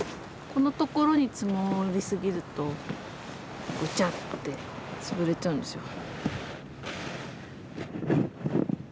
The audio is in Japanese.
このところに積もり過ぎるとぐちゃって潰れちゃうんですよ。